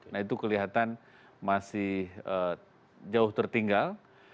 nah itu kelihatan masih jauh tertinggal